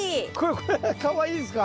これがかわいいですか？